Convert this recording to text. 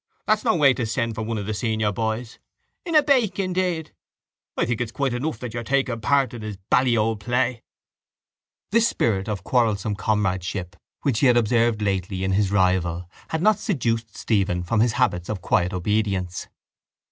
That's no way to send for one of the senior boys. In a bake, indeed! I think it's quite enough that you're taking a part in his bally old play. This spirit of quarrelsome comradeship which he had observed lately in his rival had not seduced Stephen from his habits of quiet obedience.